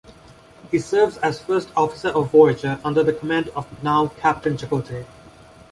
He serves as First Officer of "Voyager", under the command of now-Captain Chakotay.